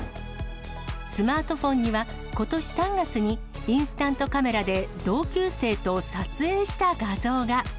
スマートフォンには、ことし３月にインスタントカメラで同級生と撮影した画像が。